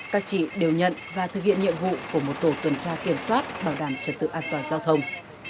các chị đều nhận và thực hiện nhiệm vụ của một tổ tuần tra kiểm soát bảo đảm trật tự an toàn giao thông